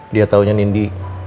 dia taunya nindi